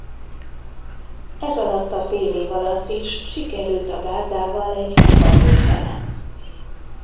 Ezalatt a fél év alatt is sikerült a gárdával egy kupagyőzelem.